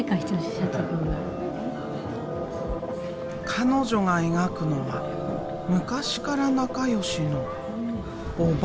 彼女が描くのは昔から仲良しのおばけ？